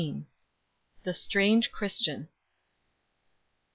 THE STRANGE CHRISTIAN.